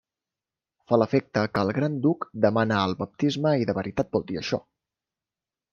Fa l'efecte que el gran duc demana el baptisme i de veritat vol dir això.